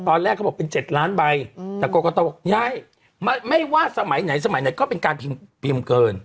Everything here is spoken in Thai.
เขาบอกเป็น๗ล้านใบแต่กรกตบอกยายไม่ว่าสมัยไหนสมัยไหนก็เป็นการพิมพ์เกิน